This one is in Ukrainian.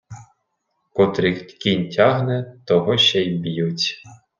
Котрий кінь тягне, того ще й б'ють.